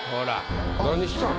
何したん？